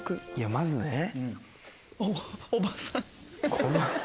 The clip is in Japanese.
まずねぇ。